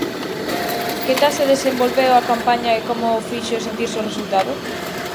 Que tal se desenvolveu a campaña e como o fixo sentirse o resultado?